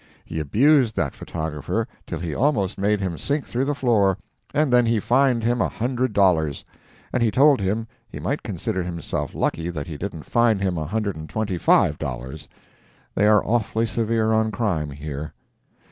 He abused that photographer till he almost made him sink through the floor, and then he fined him a hundred dollars. And he told him he might consider himself lucky that he didn't fine him a hundred and twenty five dollars. They are awfully severe on crime here.